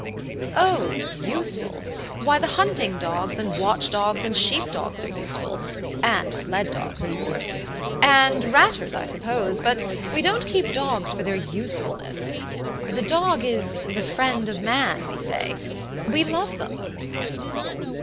"Oh useful! Why, the hunting dogs and watchdogs and sheepdogs are useful and sleddogs of course! and ratters, I suppose, but we don't keep dogs for their usefulness. The dog is 'the friend of man,' we say we love them."